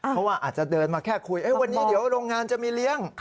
เพราะว่าอาจจะเดินมาแค่คุยวันนี้เดี๋ยวโรงงานจะมีเลี้ยง